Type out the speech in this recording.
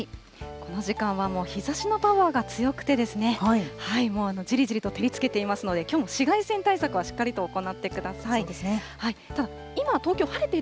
この時間は日ざしのパワーが強くて、もうじりじりと照りつけていますので、きょうも紫外線対策はしっかりと行ってください。